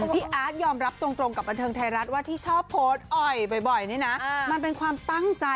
พี่อาร์ตยอมรับตรงกับบันเทิงไทยรัฐว่าที่ชอบโพสต์อ่อยบ่อยนี่นะมันเป็นความตั้งใจ